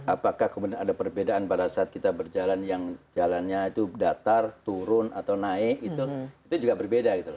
apakah kemudian ada perbedaan pada saat kita berjalan yang jalannya itu datar turun atau naik gitu itu juga berbeda gitu loh